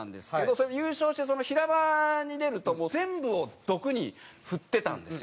それで優勝して平場に出ると全部を毒に振ってたんですよ。